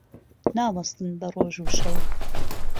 ناوەستن بە ڕۆژ و شەو